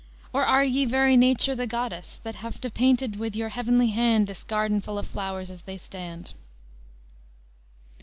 Or are ye very Nature, the goddéss, That have depainted with your heavenly hand This garden full of flowrës as they stand?"